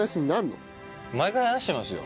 毎回話してますよ。